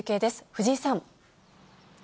藤井さん。